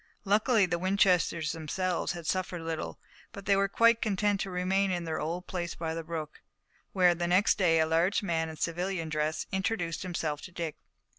Luckily the Winchesters themselves had suffered little, but they were quite content to remain in their old place by the brook, where the next day a large man in civilian dress introduced himself to Dick.